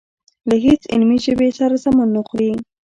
له هېڅ علمي ژبې سره سمون نه خوري.